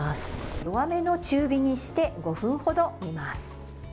弱めの中火にして５分ほど煮ます。